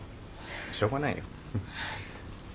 しょうがないよ。